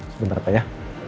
sebentar kak ya